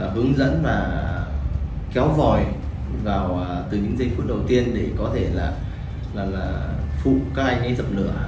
hướng dẫn và kéo vòi vào từ những giây phút đầu tiên để có thể là phụ các anh ấy dập lửa